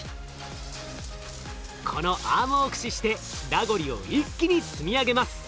このアームを駆使してラゴリを一気に積み上げます。